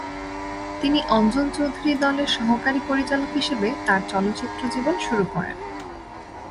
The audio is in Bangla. তিনি অঞ্জন চৌধুরী দলের সহকারী পরিচালক হিসেবে তার চলচ্চিত্র জীবন শুরু করেন।